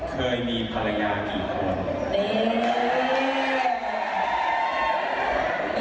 เคยมีภรรยากี่คน